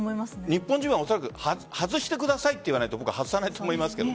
日本人は外してくださいと言わないと外さないと思います。